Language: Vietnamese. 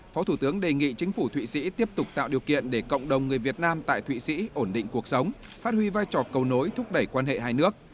phó thủ tướng đề nghị chính phủ thụy sĩ tiếp tục tạo điều kiện để cộng đồng người việt nam tại thụy sĩ ổn định cuộc sống phát huy vai trò cầu nối thúc đẩy quan hệ hai nước